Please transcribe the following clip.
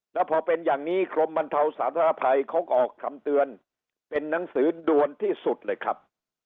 แล้วพอเป็นอย่างนี้กรมบรรเทาสาธารณภัยเขาก็ออกคำเตือนเป็นหนังสือด่วนที่สุดเลยครับ